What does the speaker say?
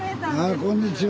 こんにちは。